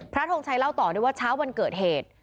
ทงชัยเล่าต่อด้วยว่าเช้าวันเกิดเหตุ